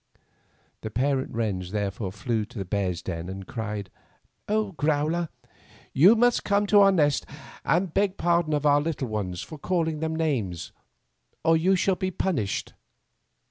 The parent wrens therefore flew to the bear's den, and cried, "Old Growler, you must come to our nest and beg pardon of 88 Fairy Tale Bears our little ones for calling them names, or you shall be punished."